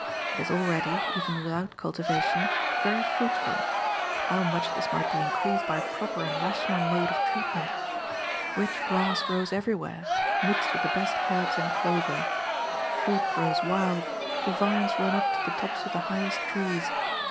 It is already, even without cultivation, very fruitful; and how much this might be increased by a proper and rational mode of treatment. Rich grass grows everywhere, mixed with the best herbs and clover. Fruit grows wild; the vines run up to the tops of the highest trees.